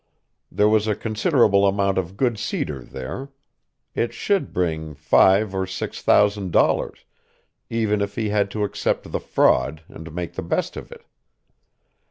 There was a considerable amount of good cedar there. It should bring five or six thousand dollars, even if he had to accept the fraud and make the best of it.